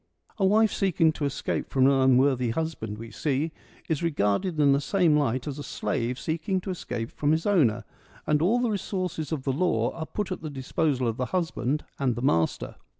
A wife seeking to escape from an unworthy hus band, we see, is regarded in the same light as a slave seeking to escape from his owner, and all the resources N 186 FEMINISM IN GREEK LITERATURE of the law are put at the disposal of the husband and the master.